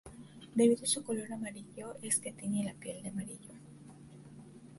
Debido a su color amarillo es que tiñe la piel de amarillo.